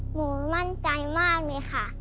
หนูมั่นใจมากเลยค่ะ